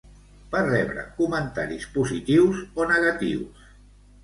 Va rebre comentaris positius o negatius?